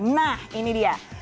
nah ini dia